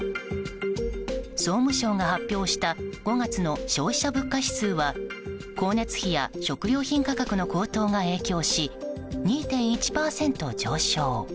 総務省が発表した５月の消費者物価指数は光熱費や食料品価格の高騰が影響し、２．１％上昇。